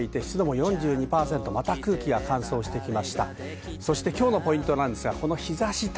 また空気も乾燥してきました。